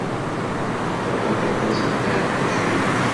Ṛɣant aṭas n tɛeqqucin.